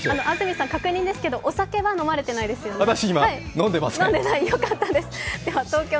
安住さん、確認ですけどお酒は飲まれてないですよね？